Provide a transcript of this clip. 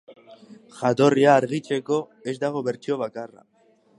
Jatorria argitzeko ez dago bertsio bakarra.